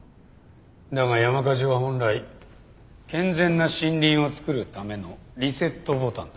だが山火事は本来健全な森林を作るためのリセットボタンだ。